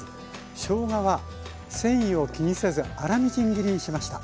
しょうがは繊維を気にせず粗みじん切りにしました。